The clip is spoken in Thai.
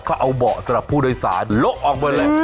เขาเอาเบาะสำหรับผู้โดยสารโละออกหมดเลย